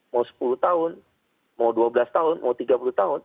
mau sepuluh tahun mau dua belas tahun mau tiga puluh tahun